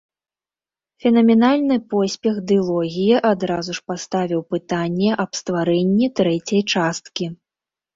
Фенаменальны поспех дылогіі адразу ж паставіў пытанне аб стварэнні трэцяй часткі.